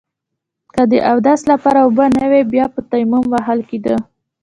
که د اوداسه لپاره اوبه نه وي بيا به تيمم وهل کېده.